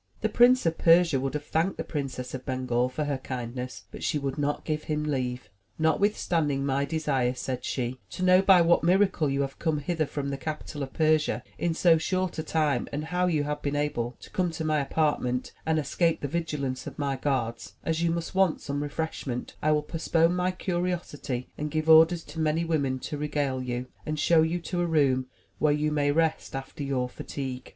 The Prince of Persia would have thanked the Princess of Bengal for her kindness, but she would not give him leave. "Notwithstanding my desire,*' said she, "to know by what miracle you have come hither from the capital of Persia in so short a time and how you have been able to come to my apartment and escape the vigil ance of my guards, as you must want some refreshment, I will postpone my curiosity and give orders to my women to regale you, and show you to a room where you may rest after your fatigue."